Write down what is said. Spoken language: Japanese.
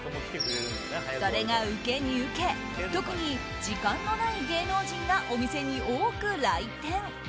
それがウケにウケ特に、時間のない芸能人がお店に多く来店。